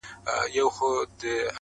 ژوند سرینده نه ده، چي بیا یې وږغوم.